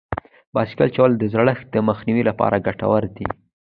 بایسکل چلول د زړښت د مخنیوي لپاره ګټور دي.